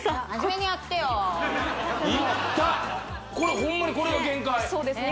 これホンマにこれが限界そうですね